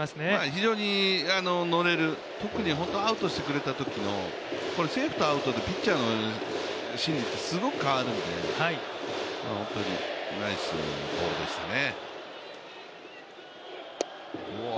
非常にのれる、特にアウトしてくれたときのセーフとアウトでピッチャーの心情すごい変わるのでナイスフォローでしたね。